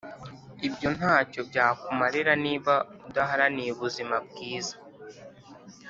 ibyo ntacyo byakumarira niba udaharaniye ubuzima bwiza